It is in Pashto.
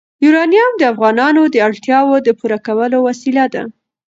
یورانیم د افغانانو د اړتیاوو د پوره کولو وسیله ده.